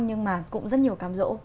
nhưng mà cũng rất nhiều cảm dỗ